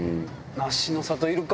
なしの里いるか？